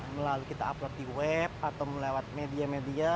melalui kita upload di web atau melewat media media